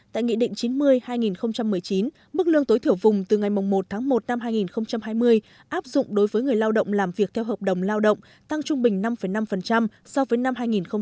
tại nghị định chín mươi hai nghìn một mươi chín mức lương tối thiểu vùng từ ngày một tháng một năm hai nghìn hai mươi áp dụng đối với người lao động làm việc theo hợp đồng lao động tăng trung bình năm năm so với năm hai nghìn một mươi tám